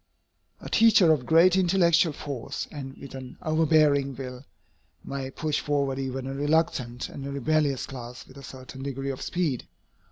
A teacher of great intellectual force, and with an overbearing will, may push forward even a reluctant and a rebellious class with a certain degree of speed.